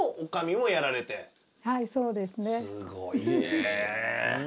すごいね。